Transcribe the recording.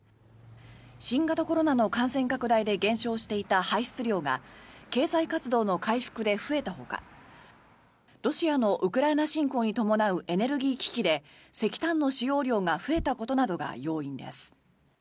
新型コロナの感染拡大で減少していた排出量が経済活動の回復で増えたほかロシアのウクライナ侵攻に伴うエネルギー危機で石炭の使用量が増えたことなどが要因です。